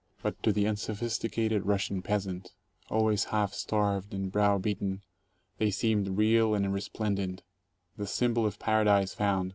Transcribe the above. But to the unsophisticated Russian peasant, always half starved and brow beaten, they seemed real and resplendant, the symbol of paradise found.